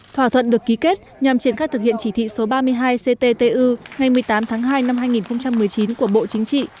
thỏa thuận được ký kết nhằm triển khai thực hiện chỉ thị số ba mươi hai cttu ngày một mươi tám tháng hai năm hai nghìn một mươi chín của bộ chính trị